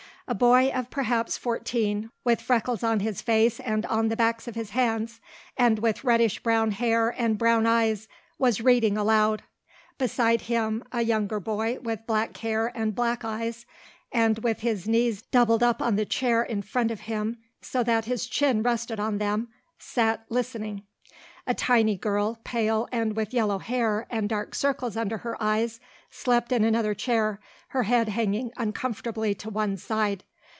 A boy of perhaps fourteen, with freckles on his face and on the backs of his hands and with reddish brown hair and brown eyes, was reading aloud. Beside him a younger boy with black hair and black eyes, and with his knees doubled up on the chair in front of him so that his chin rested on them, sat listening. A tiny girl, pale and with yellow hair and dark circles under her eyes, slept in another chair, her head hanging uncomfortably to one side.